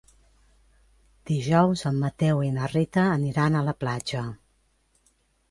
Dijous en Mateu i na Rita aniran a la platja.